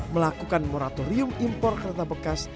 melakukan moratorium impor kereta bekas